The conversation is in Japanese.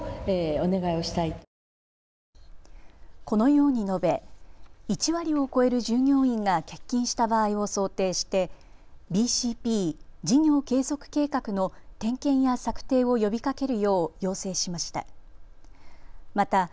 このように述べ、１割を超える従業員が欠勤した場合を想定してＢＣＰ・事業継続計画の点検や策定を呼びかけるよう要請しました。